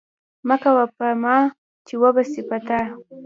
مه کوه په ما، چي وبه سي په تا